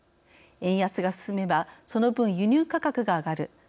円安が進めばその分、輸入価格が上がる。